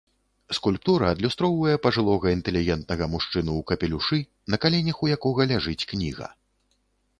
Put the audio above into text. Скульптура адлюстроўвае пажылога інтэлігентнага мужчыну ў капелюшы, на каленях у якога ляжыць кніга.